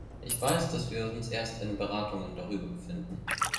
Ich weiß, dass wir uns erst in Beratungen darüber befinden.